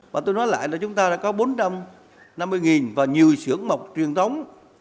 và tôi nói lại là chúng ta đã có bốn trăm năm mươi và nhiều sưởng mộc truyền thống